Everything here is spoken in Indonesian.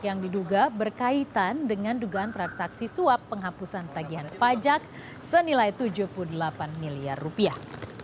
yang diduga berkaitan dengan dugaan transaksi suap penghapusan tagihan pajak senilai tujuh puluh delapan miliar rupiah